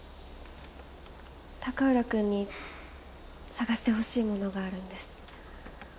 高浦君に探してほしいものがあるんです。